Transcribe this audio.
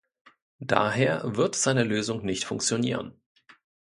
Daher wird seine Lösung nicht funktionieren.